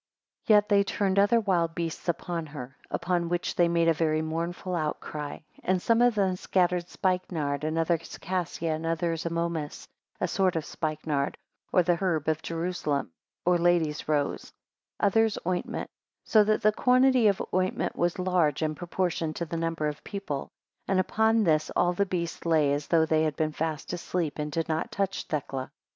10 Yet they turned other wild beasts upon her; upon which they made a very mournful outcry; and some of them scattered spikenard, others cassia, others amomus (a sort of spikenard, or the herb of Jerusalem, or ladies rose), others ointment; so that the quantity of ointment was large, in proportion to the number of people; and upon this all the beasts lay as though they had been fast asleep, and did not touch Thecla.